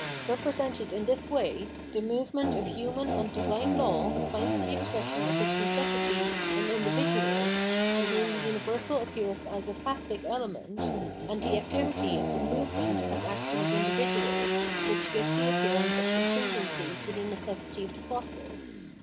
Kepresented in this way, the movement of human and divine law finds the expression of its necessity in indi viduals, in whom the universal appears as a " pathic " element, and the activity of the movement as action of individuals, which gives the appearance of contingency to the necessity of the process.